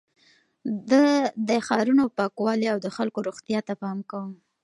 ده د ښارونو پاکوالي او د خلکو روغتيا ته پام کاوه.